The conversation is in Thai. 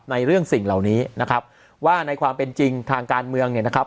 ในเรื่องสิ่งเหล่านี้นะครับว่าในความเป็นจริงทางการเมืองเนี่ยนะครับ